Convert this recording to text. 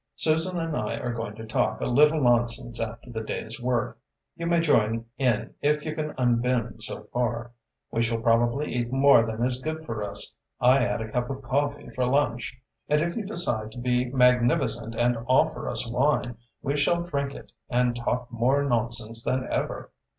"Susan and I are going to talk a little nonsense after the day's work. You may join in if you can unbend so far. We shall probably eat more than is good for us I had a cup of coffee for lunch and if you decide to be magnificent and offer us wine, we shall drink it and talk more nonsense than ever."